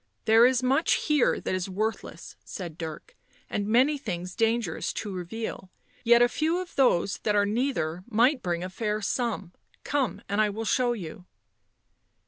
" There is much here that is worthless," said Dirk, " and many things dangerous to reveal, yet a few of those that are neither might bring a fair sum — come, and I will show you."